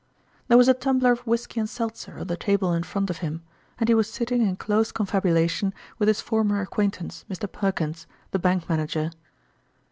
There was a tumbler of whisky and seltzer on the table in front of him, and he was sitting in close confabulation with his former acquaint ance, Mr. Perkins, the bank manager.